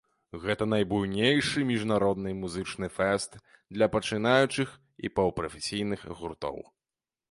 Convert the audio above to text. Гэта найбуйнейшы міжнародны музычны фэст для пачынаючых і паўпрафесійных гуртоў.